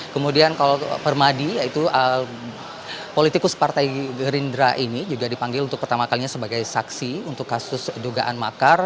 kemudian kalau permadi yaitu politikus partai gerindra ini juga dipanggil untuk pertama kalinya sebagai saksi untuk kasus dugaan makar